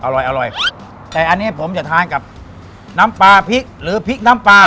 อร่อยอร่อยแต่อันนี้ผมจะทานกับน้ำปลาพริกหรือพริกน้ำปลา